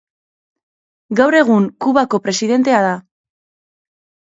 Gaur egun Kubako presidentea da.